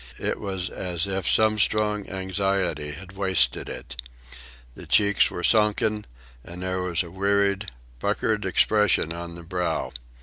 It was as if some strong anxiety had wasted it. The cheeks were sunken, and there was a wearied, puckered expression on the brow.